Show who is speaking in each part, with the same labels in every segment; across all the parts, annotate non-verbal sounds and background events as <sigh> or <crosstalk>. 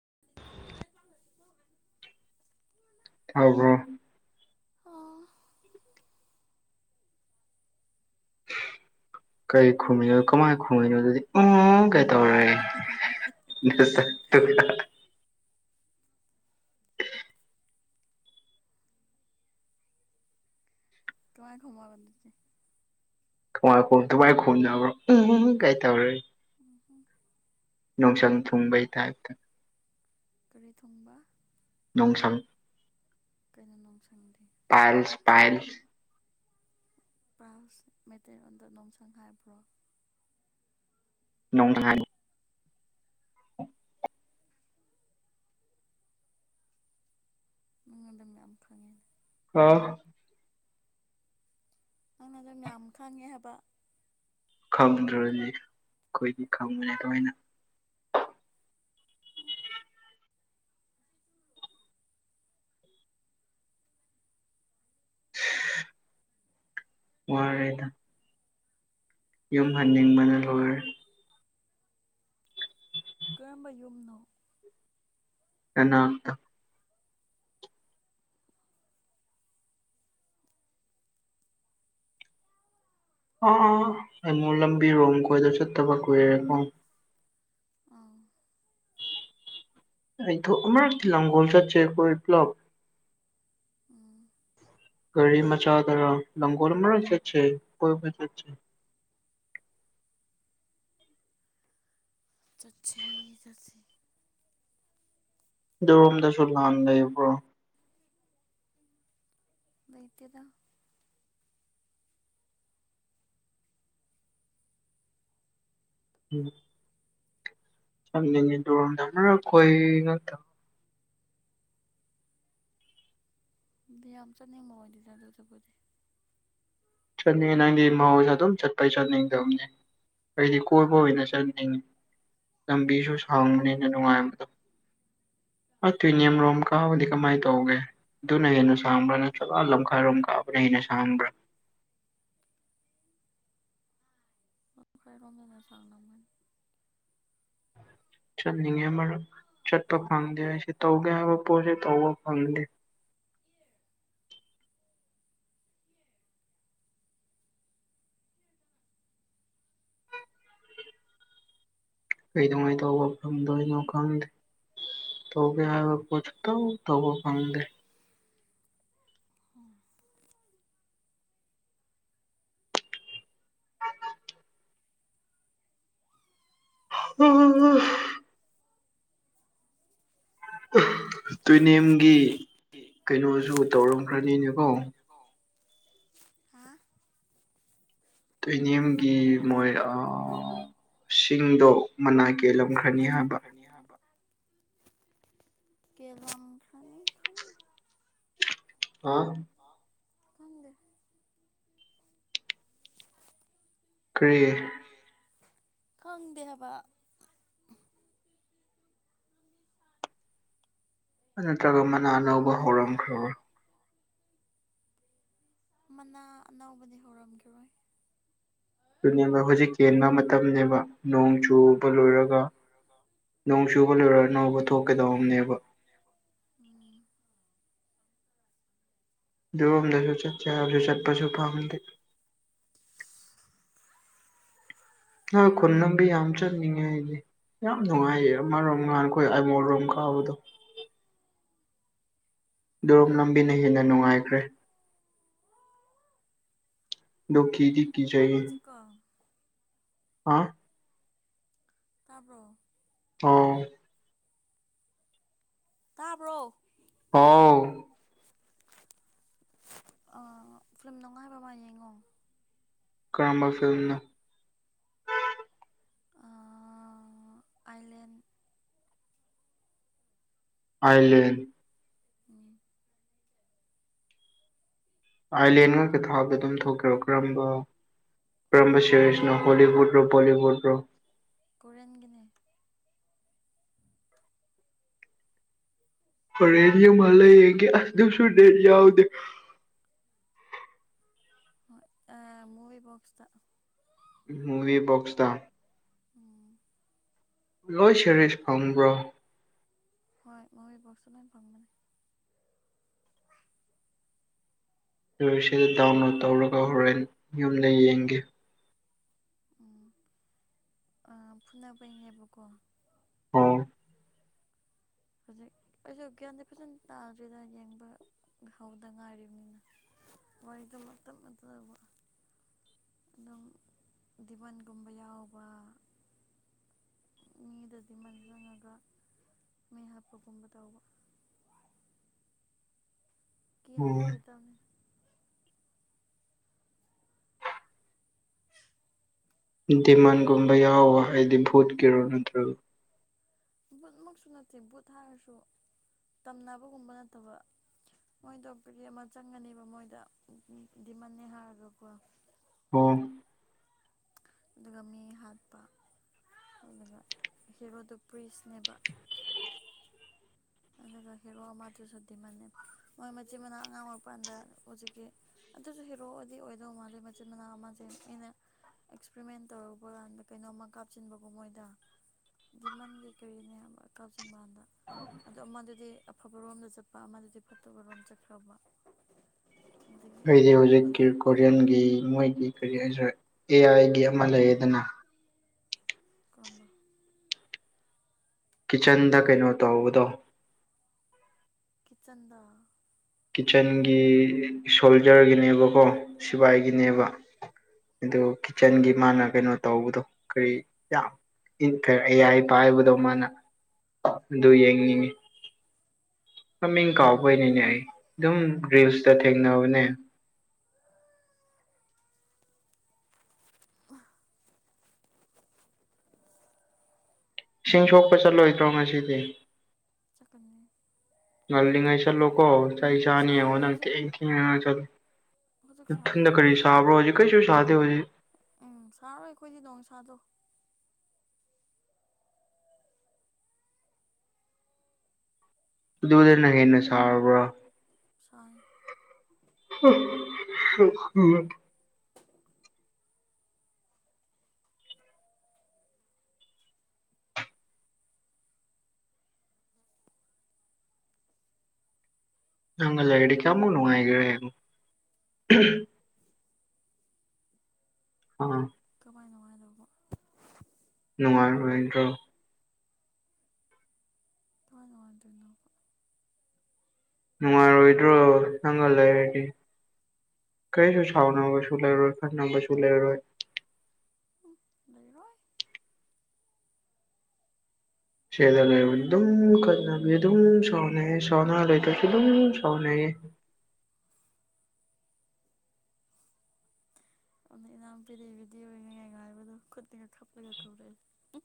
Speaker 1: <inaudible>
Speaker 2: ꯇꯥꯕꯣ
Speaker 1: ꯑꯣ
Speaker 2: ꯀꯩ ꯈꯨꯝꯃꯤ ꯀꯃꯥꯏ ꯈꯨꯝꯃꯅꯤ ꯑꯗꯨꯗꯤ ꯎꯝ ꯒꯥꯏ ꯇꯧꯔ
Speaker 1: ꯇꯨꯡꯃꯥꯏ ꯈꯃ ꯀꯗꯁꯦ
Speaker 2: ꯊꯣꯥꯏꯈꯣ ꯊꯨꯃꯥꯏꯈꯣꯅꯕ꯭ꯔꯣ ꯎ ꯀ ꯇꯧꯔ
Speaker 1: ꯎꯝ
Speaker 2: ꯅꯨꯡꯁꯪ ꯊꯨꯡꯕꯩ ꯇꯥꯏꯞꯇ
Speaker 1: ꯀꯔꯤ ꯊꯣꯡꯕ
Speaker 2: ꯅꯣꯡꯁꯥꯡ
Speaker 1: ꯀꯩꯅꯣ ꯅꯨꯡꯁꯪꯗꯦ
Speaker 2: ꯄꯥꯏꯜꯁ ꯄꯥꯏꯜꯁ
Speaker 1: ꯄꯥꯁ ꯃꯩꯇꯩꯔꯣꯟꯗ ꯅꯨꯡꯁꯪ ꯍꯥꯏꯥꯏꯕ꯭ꯔꯣ
Speaker 2: ꯅꯣꯡꯥꯏ
Speaker 1: ꯅꯪꯗꯝꯅ ꯌꯥꯝꯌꯥꯝ ꯐꯪꯉꯦꯅꯦ
Speaker 2: ꯑꯥ
Speaker 1: ꯅꯪꯅ ꯑꯗꯨꯝ ꯃ ꯈꯪꯉꯦ ꯍꯥꯏꯕ
Speaker 2: ꯈꯝꯗ꯭ꯔꯗꯤ ꯑꯩꯈꯣꯏꯗꯤ ꯈꯪꯕꯅꯦ ꯀꯃꯥꯏꯅ ꯋꯥꯔꯦꯗ ꯌꯨꯝ ꯍꯟꯅꯤꯡꯕꯅ ꯍꯣꯏ
Speaker 1: ꯀꯔꯝꯕ ꯌꯨꯝꯅꯣ
Speaker 2: ꯀꯅꯥꯝꯗ ꯑ ꯑꯥ ꯑꯩꯉꯨꯡ ꯂꯝꯕꯤꯔꯣꯝ ꯀꯣꯏꯗ ꯆꯠꯇꯕ ꯀꯨꯏꯔꯦꯀꯣ
Speaker 1: ꯑꯥ
Speaker 2: ꯑꯩꯊꯣ ꯑꯃꯔꯗꯤꯤ ꯂꯪꯒꯣꯜꯆꯔ ꯆꯦ ꯀ ꯏ ꯄ꯭ꯂꯕ
Speaker 1: ꯎꯝ
Speaker 2: ꯔꯤ ꯃꯆꯥꯥ ꯇꯔ ꯂꯒꯣꯜ ꯃꯁꯦꯠ ꯀꯣꯏ
Speaker 1: ꯆꯠꯤ ꯆꯠ
Speaker 2: ꯔꯗꯁꯨꯕ꯭ꯔꯣ
Speaker 1: ꯂꯩꯩꯇꯗ
Speaker 2: ꯎꯝ ꯗ ꯀꯣꯏ ꯉ
Speaker 1: ꯌꯥꯝ ꯆꯠꯅꯤꯡꯕ ꯑꯣꯏꯗꯦꯗ ꯑꯗꯨ ꯆꯠꯄꯗꯤ
Speaker 2: ꯆꯠꯅꯤꯡꯉꯦ ꯅꯪꯗꯤ ꯃꯍꯧꯁꯦ ꯑꯗꯨꯝ ꯆꯠꯄꯩ ꯆꯠꯅꯤꯡꯗꯕꯅꯤ ꯑꯩꯗꯤ ꯀꯣꯏꯕꯨꯅ ꯆꯪꯅꯤꯡ ꯏ ꯂꯝꯕꯤꯁꯨ ꯁꯥꯡꯕꯅꯤꯅ ꯅꯨꯡꯉꯥꯏꯕꯗꯣ ꯑ ꯇ꯭ꯋꯅꯤꯌꯝ ꯔꯣꯝ ꯀꯗꯤ ꯀꯃꯥꯏ ꯇꯧꯒꯦ ꯑꯗꯨꯅ ꯍꯦꯟꯅ ꯁꯥꯝꯕ꯭ꯔꯥ ꯅꯠꯇ꯭ꯔꯒ ꯂꯝꯈꯥꯏꯔꯣꯝ ꯀꯥꯕꯅ ꯍꯦꯟꯅ ꯁꯥꯝꯕ꯭ꯔꯥ
Speaker 1: ꯁꯈꯥꯏ ꯔꯣ ꯃꯣ ꯃ ꯆꯪꯅꯕ ꯃꯅꯨꯡ
Speaker 2: ꯆꯠꯅꯤꯡꯉꯦ ꯃꯔꯝ ꯆꯠꯄ ꯐꯪꯗꯦ ꯑꯩꯁꯦ ꯇꯧꯒꯦ ꯍꯥꯏꯕ ꯄꯣꯠꯁꯦ ꯇꯧꯕ ꯐꯪꯗꯦ
Speaker 1: <inaudible> <unintelligible>
Speaker 2: ꯀꯩꯗꯧꯉꯩ ꯇꯧꯕ ꯐꯡꯗꯣꯏꯅꯣ ꯈꯪꯗꯦ ꯇꯧꯒꯤ ꯍꯥꯏ ꯄꯣꯠꯁꯨ ꯇꯧꯕ ꯐꯪꯗꯦ
Speaker 1: ꯑꯣ
Speaker 2: ꯑ ꯎꯝ ꯇꯨꯅꯦꯝꯒꯤ ꯀꯩꯅꯣꯁꯨ ꯇꯧꯔꯝꯈ꯭ꯔꯅꯤꯅꯦꯀꯣ
Speaker 1: ꯍꯥ
Speaker 2: ꯇꯣꯏꯅꯦꯝꯒꯤ ꯃꯣꯏ ꯁꯤꯡꯗꯣ ꯃꯅꯥ ꯀꯦꯜꯂꯝꯈ꯭ꯔꯦ
Speaker 1: ꯂꯧꯈ꯭ꯔꯅꯤ ꯍꯥꯏꯥꯟꯕ ꯀꯦ ꯂꯝꯪ ꯐ
Speaker 2: ꯑ
Speaker 1: ꯐꯗ
Speaker 2: ꯀ꯭ꯔꯤꯌꯦ
Speaker 1: ꯈꯪꯗꯦ ꯍꯥꯏꯕ
Speaker 2: ꯅꯠꯇ꯭ꯔꯒ ꯃꯅꯥ ꯑꯅꯧꯕ ꯍꯧꯔꯝꯈ꯭ꯔꯕ
Speaker 1: ꯃꯅꯥ ꯑꯅꯧꯕꯗꯤ ꯍꯧꯔꯝꯈꯤꯔꯣꯏ
Speaker 2: ꯑꯗꯨꯅꯦꯕ ꯍꯧꯖꯤꯛ ꯀꯦꯟꯕ ꯃꯇꯝꯅꯦꯕ ꯅꯣꯡ ꯆꯨꯕ ꯂꯣꯏꯔꯒ ꯅꯣꯡ ꯆꯨꯕ ꯂꯣꯏꯔꯅꯧꯕ ꯊꯣꯛꯀꯗꯧꯝꯅꯦꯕ
Speaker 1: ꯎꯝ
Speaker 2: ꯑꯗꯣꯝꯗꯁꯨ ꯆꯠꯆꯔꯁꯨ ꯆꯠꯄꯁꯨ ꯄꯥꯝꯗꯦ ꯑ ꯀꯟꯅꯕꯤ ꯌꯥꯝ ꯆꯠꯅꯤꯡꯉꯗꯤ ꯌꯥꯝ ꯅꯨꯡꯉꯥꯏꯌꯦ ꯑꯃꯔꯣꯝ ꯅꯍꯥꯟꯈꯣꯏ ꯑꯩꯃꯣꯔꯣꯝ ꯀꯥꯎꯕꯗꯣ ꯗꯣꯔꯣ ꯂꯝꯕꯤꯅ ꯍꯦꯟꯅ ꯅꯨꯡꯉꯥꯏꯈ꯭ꯔꯦ ꯂꯣꯛꯀꯤꯗꯤ
Speaker 1: ꯍ ꯆꯤꯀꯣ
Speaker 2: ꯍꯥ
Speaker 1: ꯇꯥꯔꯕꯣ
Speaker 2: ꯇ
Speaker 1: ꯇ ꯄꯨ꯭ꯔꯣ
Speaker 2: ꯑꯥꯎ
Speaker 1: ꯐꯤꯂꯝ ꯅꯨꯡꯉꯥꯏꯕ ꯑꯃ ꯌꯦꯡꯉꯣ
Speaker 2: ꯀꯔꯝꯕ ꯐꯤꯂꯝꯅ
Speaker 1: ꯑꯥꯏꯂꯦꯟ
Speaker 2: ꯑꯥꯏꯂꯦꯟ
Speaker 1: ꯎꯝ
Speaker 2: ꯑꯥꯏꯂꯦꯟꯒꯕ ꯊꯥꯎꯗ ꯑꯗꯨꯝ ꯊꯣꯛꯀꯦꯔꯣ ꯀꯔꯝꯕ
Speaker 1: ꯍꯣꯏ
Speaker 2: ꯕ꯭ꯔꯍꯃ ꯁꯤꯔꯤꯁꯅꯣ
Speaker 1: ꯀꯣꯔꯤꯌꯟꯒꯤꯅꯦ
Speaker 2: ꯍꯣꯂꯤꯋꯨꯠ ꯔꯣ ꯣꯂꯤꯋꯨꯠ ꯔꯣ
Speaker 1: ꯀꯔꯦꯟꯒꯅꯦ
Speaker 2: ꯄ ꯑꯦꯔꯤꯌꯥ ꯃꯥ ꯂꯩ ꯌꯦ ꯀ ꯑꯗ ꯁꯨ ꯗꯦꯔꯤꯌꯥ ꯑꯗ
Speaker 1: ꯃꯚꯤꯕꯣꯛꯁꯇ
Speaker 2: ꯃꯨꯕꯤꯕꯣꯛꯁꯗ
Speaker 1: ꯎꯝ
Speaker 2: ꯂꯣꯏ ꯁꯦꯔꯤꯁ ꯐꯪꯕ꯭ꯔꯣ
Speaker 1: ꯍꯣꯏ ꯃꯣꯏꯔꯤ ꯣꯛꯁꯅ ꯐꯪ ꯃꯅꯦ
Speaker 2: ꯁꯤꯗ ꯗꯥꯎꯟꯂꯣꯠ ꯇꯧꯔꯒ ꯍꯣꯔꯦꯟ ꯌꯨꯝꯗ ꯌꯦꯡꯒꯦ
Speaker 1: ꯎꯝ ꯑ ꯐꯨꯅꯕꯩꯅꯦꯕꯀꯣ
Speaker 2: ꯍ
Speaker 1: ꯍꯧꯖꯤ ꯑꯩꯁꯨ ꯒ꯭ꯌꯥꯟꯗ ꯐꯖꯅ ꯇꯥꯗ꯭ꯔꯤꯗ ꯌꯦꯡꯕ ꯍꯧꯗ ꯉꯥꯏꯔꯤꯕꯅꯤꯅ ꯋꯥꯣꯏꯗ ꯃ ꯃꯇꯝ ꯅꯠꯇꯕ ꯑꯗꯨꯝ ꯗꯤꯚꯟꯒꯨꯝꯕ ꯌꯥꯎꯕ ꯃꯤꯗꯗꯤ ꯃꯜꯖꯪꯉꯒ ꯃꯤ ꯍꯥꯞꯄꯒꯨꯝꯕ ꯇꯧꯕ <unintelligible> ꯀꯅꯦꯉ
Speaker 2: ꯑꯣ
Speaker 1: ꯂꯩ ꯇꯅꯦ
Speaker 2: ꯗꯤꯃꯥꯟꯒꯨꯝꯕ ꯌꯥꯎꯋ ꯍꯥꯏꯗꯤ ꯚꯨꯠꯀꯤꯔꯣ ꯅꯠꯇ꯭ꯔꯒ
Speaker 1: ꯕꯨꯠꯃꯛꯁꯨ ꯅꯠꯇꯦ ꯕꯨꯠ ꯍꯥꯏꯔꯁꯨ ꯇꯝꯅꯕꯒꯨꯝꯕ ꯅꯠꯇꯕ ꯃꯣꯏ ꯗꯣꯛꯇꯔꯤ ꯑꯃ ꯆꯪꯉꯅꯦꯕ ꯃꯣꯏꯗ ꯗꯤꯃꯟꯅꯦ ꯍꯥꯏꯔꯒꯀꯣ
Speaker 2: ꯍꯟ
Speaker 1: ꯑꯗꯨꯒ ꯃꯤ ꯍꯥꯠꯄ ꯑꯗꯨꯒ ꯍꯦꯔꯣꯗ ꯄ꯭ꯔꯤꯁꯅꯦꯕ ꯑꯗꯨ ꯍꯦꯔꯣ ꯑꯃꯗꯨꯁꯨꯃ ꯃꯣꯏ ꯃꯆꯤꯟ ꯃꯅꯥꯎ ꯑꯉꯥꯡ ꯑꯣꯏꯔꯤꯔꯀꯥꯟꯗ ꯍꯧꯖꯤꯛꯀꯤ ꯑꯗꯨꯁꯨ ꯍꯦ ꯄꯣꯛꯑꯗꯤ ꯑꯣꯏꯗꯧ ꯃꯥꯜꯂꯦ ꯃꯆꯤꯟ ꯃꯅꯥꯎ ꯑꯃꯁꯦ ꯑꯩꯅ ꯑꯦꯛꯁꯄ꯭ꯔꯤꯃꯦꯟ ꯇꯧꯔꯨꯕ ꯀꯥꯟꯗ ꯀꯩꯅꯣꯝꯃ ꯀꯥꯞꯁꯤꯟꯕꯒꯣ ꯃꯣꯏꯗ ꯗꯤꯃꯟꯒꯤ ꯀꯔꯤꯅꯦ ꯀꯥꯆꯤꯟ ꯃꯥꯟꯗ ꯑꯗꯣ ꯑꯃꯗꯨꯗꯤ ꯑꯐꯕꯔꯣꯝꯗ ꯆꯠꯄ ꯑꯃꯗꯨꯗꯤ ꯐꯠꯇꯕꯔꯣꯝ ꯆꯠꯈ꯭ꯔꯕ ꯑꯗꯒꯤ
Speaker 2: ꯑꯩꯗꯤ ꯍꯧꯖꯤꯛꯀꯤ
Speaker 1: ꯍꯧꯖꯤꯛ
Speaker 2: ꯀꯣꯔꯤꯌꯟꯒꯤ ꯃꯣꯏꯒꯤ ꯀꯔꯤ ꯍꯥꯏꯁꯔꯦ ꯑꯦ ꯑꯥꯏꯒꯤ ꯂ ꯌꯦꯗꯅ
Speaker 1: ꯀꯝꯝꯕ
Speaker 2: ꯀꯤꯠꯆꯟꯗ ꯀꯩꯅꯣ ꯇꯧꯧꯕꯗꯣ
Speaker 1: ꯀꯤꯆꯟꯗ
Speaker 2: ꯀꯤꯠꯆꯟꯒꯤ ꯁꯣꯜꯖꯔꯒꯤꯅꯦꯕꯀꯣ ꯁꯤꯕꯥꯏꯒꯤꯅꯦꯕ
Speaker 1: ꯎꯝ
Speaker 2: ꯑ
Speaker 1: ꯎꯝ
Speaker 2: ꯀꯤꯠꯆꯟꯒꯤ ꯃꯥꯅ ꯀꯩꯅꯣ ꯇꯧꯕꯗꯣ ꯀꯔꯤ ꯌꯥꯝ ꯑꯩꯌꯥꯄꯥ ꯍꯥꯏꯕꯗꯣ ꯃꯥꯅ ꯑꯗꯨ
Speaker 1: ꯈꯪꯗꯦ
Speaker 2: ꯌꯦꯡꯅꯤꯡꯏꯤ ꯃꯃꯤꯡ ꯀꯥꯎꯕꯅꯤꯅꯦ ꯑꯩ ꯑꯗꯨꯝ ꯒ꯭ꯔꯤꯜꯁꯇ ꯊꯦꯡꯅꯕꯅꯦ ꯏꯁꯤꯡ ꯁꯣꯛꯄ ꯆꯠꯂꯣꯏꯗ꯭ꯔꯣ ꯉꯁꯤꯗꯤ
Speaker 1: ꯆꯀꯅꯤ
Speaker 2: ꯉꯜꯂꯤꯉꯩ ꯆꯠꯂꯨꯀꯣ ꯑꯩ ꯆꯥꯅꯤ ꯌꯦꯡꯉꯣ
Speaker 1: ꯁꯥꯏꯌꯦ
Speaker 2: ꯅꯪ
Speaker 1: ꯍꯧꯖꯤꯛ
Speaker 2: ꯊꯦꯡ ꯊꯦꯡꯉꯉ ꯆꯠꯂꯨ
Speaker 1: ꯍꯧꯖꯤꯛ ꯁꯥꯏ
Speaker 2: ꯊꯗ ꯀꯔꯤ ꯁꯥꯕꯣ ꯍꯧꯖꯤ ꯀꯩꯁꯨ ꯁꯥ ꯍꯧꯖꯤ
Speaker 1: ꯎꯝ ꯁꯥꯔꯣ ꯑꯩꯈꯣꯏꯗꯤꯗꯣꯡ ꯁꯥꯗꯣ
Speaker 2: ꯑꯗꯨꯗꯅ ꯍꯦꯟꯅ ꯁꯥꯔꯕ꯭ꯔꯥ
Speaker 1: ꯁꯥꯏ
Speaker 2: ꯅꯉ ꯂ ꯂꯦꯗꯤ ꯀꯥ ꯃꯣꯅꯨ ꯋꯥꯏꯒ ꯍꯥꯏꯣ ꯑ
Speaker 1: ꯀꯃꯥꯏ ꯅꯨꯡꯉꯥꯏꯗꯧꯕ
Speaker 2: ꯅꯨꯡꯉꯥꯏ ꯔꯣꯦꯟꯗ꯭ꯔꯣ
Speaker 1: ꯊꯅ ꯋꯥ ꯑꯗꯨꯅꯣꯕ
Speaker 2: ꯅꯨꯡꯉꯥꯏꯔꯣꯏꯗ꯭ꯔꯣ ꯅꯪꯒ ꯂꯩꯔꯗꯤ ꯀꯩꯁꯨꯣ ꯁꯥꯥꯎꯅꯕꯁꯨ ꯂꯩꯔꯣꯏ ꯈꯥꯟꯅꯕꯁꯨ ꯂꯩꯔꯣꯏ
Speaker 1: ꯎ ꯂꯩꯔꯣꯏ
Speaker 2: ꯂꯩ ꯑꯗꯨꯝ ꯈꯠꯅꯕꯤ ꯑꯗꯨꯝ ꯁꯥꯎꯅ ꯁꯥꯎꯅ ꯂꯩꯁꯨ ꯑꯗꯨꯝ ꯁꯥꯎꯅꯌꯦ <inaudible>
Speaker 1: <inaudible> ꯑꯗꯨꯗ ꯏꯅꯥꯝꯄꯤꯗꯩꯕꯤꯗꯤ ꯑꯣꯏꯉꯉꯥꯏ ꯉꯥꯏꯕꯗꯣ ꯈꯨꯠꯇꯤꯒ ꯈꯞꯂꯒ ꯀꯧꯔꯛꯑꯦꯦ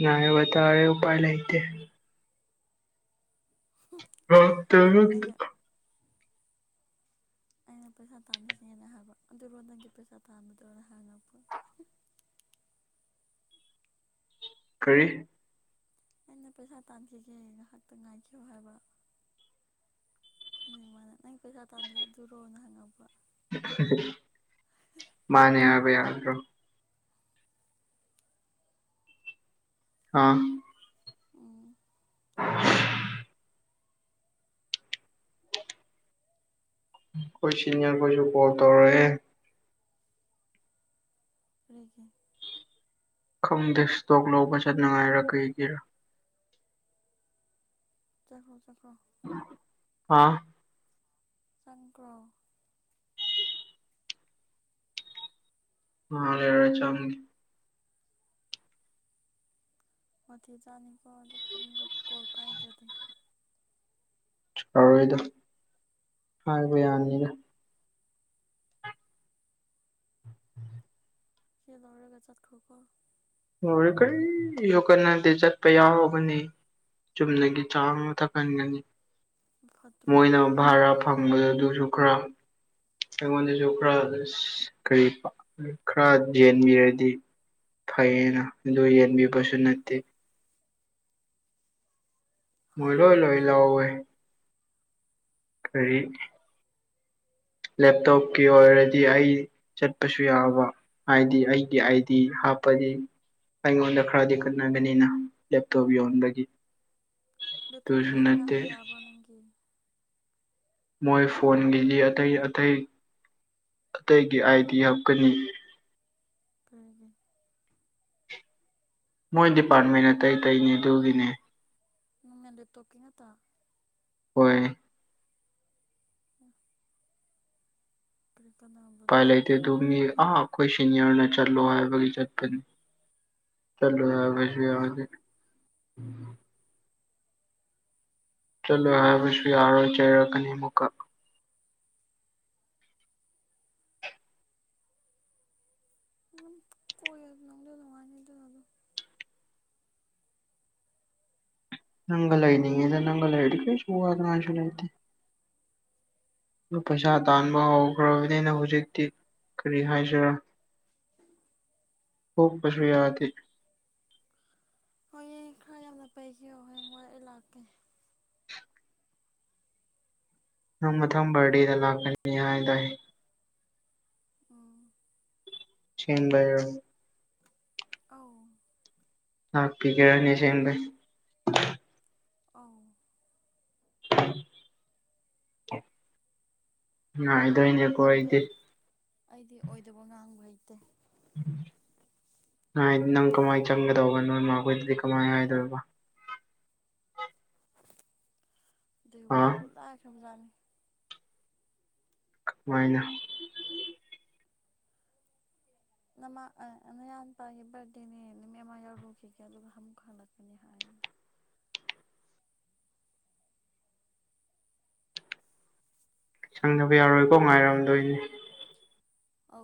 Speaker 2: ꯅꯅꯥꯑꯕꯔꯦ ꯎꯥꯏ ꯂꯩꯇ ꯍꯠꯇ
Speaker 1: ꯑꯩꯅ ꯑꯩꯅ ꯑꯩꯅ ꯄꯩꯁꯥ ꯇꯥꯟꯈꯤꯁꯤꯅꯦꯅ ꯍꯥꯏꯕ ꯑꯗꯨꯔꯣ ꯅꯪꯒꯤ ꯄꯩꯁꯥ ꯇꯥꯟꯕꯗꯔ ꯍꯥꯡꯉꯛꯄ <inaudible>
Speaker 2: ꯀꯔꯤ
Speaker 1: ꯑꯩꯅ ꯄꯩꯁꯥ ꯇꯥꯟꯈꯤꯒꯦ ꯉꯥꯏꯍꯥꯛꯇ ꯉꯥꯏꯈꯤꯕꯣ ꯍꯥꯏꯕ ꯃꯥꯅꯦ ꯅꯪ ꯄꯩꯁꯥ ꯇꯥꯟꯕꯥꯟꯕꯗ ꯑꯗꯨꯔꯣꯅ ꯍꯪꯉꯕ꯭ꯔꯥ
Speaker 2: ꯃꯥꯅꯦ ꯍꯥꯏꯔꯕ ꯌꯥꯗ꯭ꯔꯣ ꯑꯥ
Speaker 1: ꯎꯝ
Speaker 2: ꯀꯣꯏ ꯆꯅꯤꯔ ꯀꯁꯨꯄꯣ ꯇꯧꯔꯦ
Speaker 1: ꯔꯗꯒꯤ
Speaker 2: ꯈꯪꯗꯦ ꯏꯁꯇꯣꯛ ꯂꯧꯕ ꯆꯠꯅꯉꯥꯏꯔ ꯀꯩꯒꯤꯔꯥ
Speaker 1: ꯆꯈꯣ ꯆꯈꯣ
Speaker 2: ꯍꯥꯥ
Speaker 1: ꯆꯪꯒ꯭ꯔꯣ
Speaker 2: ꯑ ꯂꯩꯔꯔ ꯆꯝꯦ
Speaker 1: ꯃꯊꯤꯖꯥꯅꯤꯀꯣ ꯑꯗꯨꯒ ꯀꯣꯜ ꯄꯥꯏꯗ꯭ꯔꯗꯤ
Speaker 2: ꯌꯥꯔꯣꯏꯗ ꯍꯥꯏꯕ ꯌꯥꯅꯤꯗ ꯎ ꯎꯝ
Speaker 1: ꯈꯗꯧꯔꯒꯆꯥꯠ ꯈꯣ ꯈꯣ
Speaker 2: ꯃ ꯀꯔꯤ ꯌꯣꯛ ꯀꯠꯅꯗꯦ ꯆꯠꯄ ꯌꯥꯎꯍꯒꯅꯤ ꯆꯨꯝꯅꯒꯤ ꯆꯥꯡ ꯑꯃ ꯊꯛꯍꯟꯒꯅꯤ
Speaker 1: ꯐꯠꯇ꯭ꯔꯣ
Speaker 2: ꯃꯣꯏꯅ
Speaker 1: ꯑꯗꯣ
Speaker 2: ꯚꯔꯥ ꯐꯪꯕꯗ ꯑꯗꯨꯁꯨ ꯈꯔꯥ ꯑꯩꯉꯣꯟꯗꯁꯨ ꯈꯔ ꯀꯔꯤ ꯈꯔ ꯌꯦꯟꯕꯤꯔꯗꯤ ꯐꯩꯌꯦꯅ ꯑꯗꯨ ꯌꯦꯟꯕꯤꯕꯁꯨ ꯅꯠꯇꯦ ꯃꯣꯏ
Speaker 1: ꯍꯥꯏꯌꯣꯅ
Speaker 2: ꯂꯣꯣꯏ ꯂꯣ ꯏ
Speaker 1: ꯅꯪꯁꯨ
Speaker 2: ꯂꯣꯏ ꯀꯔꯤ ꯂꯦꯞꯇꯣꯞꯀꯤ ꯑꯣꯏꯔꯗꯤ ꯑꯩ ꯆꯠꯄꯁꯨ ꯌꯥꯕ ꯍꯥꯏꯗꯤ ꯑꯩꯒꯤ ꯑꯥꯏꯗꯤ ꯍꯥꯞꯄꯗꯤ ꯑꯩꯉꯣꯟꯗ ꯈꯔꯗꯤ ꯈꯠꯅꯒꯅꯤꯅ ꯂꯦꯞꯇꯣꯞ ꯌꯣꯟꯕꯒꯤ
Speaker 1: ꯅꯦꯇꯣ
Speaker 2: ꯑꯗꯨꯁꯨ
Speaker 1: ꯀꯌꯥꯗ
Speaker 2: ꯅꯠꯇꯦ
Speaker 1: ꯌꯥꯕꯅꯒꯤ
Speaker 2: ꯃꯣꯏ ꯐꯣꯟꯒꯤꯗꯤ ꯑꯇꯩ ꯑꯇꯩ ꯑꯇꯩꯒꯤ ꯑꯥꯏꯗꯤ ꯍꯥꯞꯀꯅꯤ
Speaker 1: ꯎꯝꯝ
Speaker 2: ꯃꯣꯏ ꯗꯤꯄꯥꯔꯠꯃꯦꯟ ꯑꯇꯩ ꯑꯇꯩꯅꯦ ꯑꯗꯨꯒꯤꯅꯦ
Speaker 1: <unintelligible>
Speaker 2: ꯍꯣꯏ
Speaker 1: ꯀꯔꯤ ꯀꯥꯟꯅꯕ
Speaker 2: ꯎꯄꯥꯏ
Speaker 1: ꯑꯗꯨꯗꯤ
Speaker 2: ꯂꯩꯇꯦ ꯑꯗꯨ ꯃꯤ ꯑꯥ ꯑꯩꯈꯣꯏ ꯁꯤꯅꯤꯌꯔꯅ ꯆꯠꯂꯣ ꯍꯥꯏꯕꯒꯤ ꯆꯠꯄꯅꯤ ꯆꯂꯣ ꯌꯥ ꯐꯁꯤ ꯌꯥꯦ <unintelligible> ꯆꯠꯂꯣꯏ ꯍꯥꯏꯕꯁꯨ ꯌꯥꯔꯣꯏ ꯆꯩꯔꯛꯀꯅꯤ ꯑꯃꯨꯛꯀ
Speaker 1: ꯎ ꯀꯣꯏ ꯑꯗꯨ ꯂꯗꯉꯅꯤꯗ ꯑꯗꯨ ꯑꯗꯨꯣ <inaudible>
Speaker 2: ꯅꯪꯒ ꯂꯩꯅꯤꯡꯉꯦ ꯅꯪꯒ ꯂꯩꯔꯗꯤ ꯀꯩꯁꯨ ꯋꯥꯅꯤꯡꯉꯥꯏꯁꯨ ꯂꯩꯇꯦ ꯑꯗꯨ ꯄꯩꯁꯥ ꯇꯥꯟꯕ ꯍꯧꯈ꯭ꯔꯕꯅꯤꯅ ꯍꯧꯖꯤꯛꯇꯤ ꯀꯔꯤ ꯍꯥꯏꯁꯤꯔꯥ ꯍꯨꯞꯄꯁꯨ ꯌꯥꯗꯦ
Speaker 1: ꯍꯣꯏꯌꯦꯡ ꯈꯔ ꯌꯥꯝꯅ ꯄꯩꯈꯤꯕꯣ ꯍꯌꯦꯡ ꯋꯥꯏ ꯑꯩ ꯂꯥꯛꯀꯦ
Speaker 2: ꯅꯪ ꯃꯊꯪ ꯕꯥꯔꯗꯦꯗ ꯂꯥꯛꯀꯅꯤ ꯍꯥꯏꯗꯥꯏ
Speaker 1: ꯎꯝ
Speaker 2: ꯆꯦꯡ ꯂꯩꯔꯛꯑꯣ
Speaker 1: ꯑꯧ
Speaker 2: ꯍꯥꯄꯤ <unintelligible> ꯑꯁꯦꯡꯕꯩ
Speaker 1: ꯑ
Speaker 2: <unintelligible>
Speaker 1: ꯑꯩꯗꯤ ꯑꯩꯗꯤ ꯑꯣꯏꯗꯕ ꯉꯥꯡꯕ ꯍꯩꯇꯦ
Speaker 2: ꯅꯪ ꯀꯃꯥꯏꯅ ꯆꯪꯒꯗꯧꯕ ꯅꯣꯏꯃꯥꯈꯣꯏꯗꯗꯤ ꯀꯃꯥꯏꯅ ꯍꯥꯏꯗꯣꯏꯔꯤꯕ ꯑꯥ
Speaker 1: ꯑꯗ <unintelligible>
Speaker 2: ꯀꯃꯥꯏꯅ
Speaker 1: ꯅꯃ ꯃꯅꯥꯎꯄꯥꯒꯤ ꯕꯥꯔꯗꯦꯅꯦ ꯅꯨꯃꯤꯠ ꯑꯃ ꯌꯥꯎꯔꯨꯈꯤꯒꯦ ꯑꯗꯨꯒ ꯑꯃꯨꯛ ꯍꯜꯂꯛꯀꯅꯤ ꯍꯥꯏ <inaudible>
Speaker 2: ꯁꯪꯗꯕ ꯌꯥꯔꯣꯏꯀꯣ ꯉꯥꯏꯔꯝꯗꯣꯏꯅꯦ
Speaker 1: ꯑ